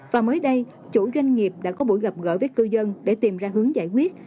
và mới đây chủ doanh nghiệp đã có buổi gặp gỡ với cư dân để tìm ra hướng giải quyết